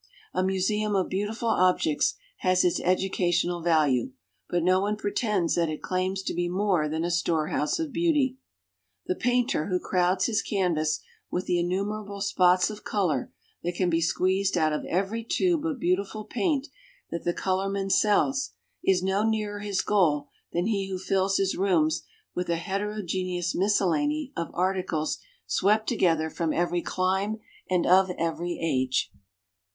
A museum of beautiful objects has its educational value, but no one pretends that it claims to be more than a storehouse of beauty. The painter who crowds his canvas with the innumerable spots of colour that can be squeezed out of every tube of beautiful paint that the colourman sells, is no nearer his goal than he who fills his rooms with a heterogeneous miscellany of articles swept together from every clime and of every age.